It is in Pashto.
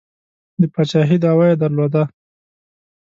د پاچهي دعوه یې درلوده.